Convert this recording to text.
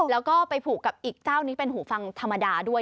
แล้วก็ไปผูกกับอีกเจ้านี้เป็นหูฟังธรรมดาด้วย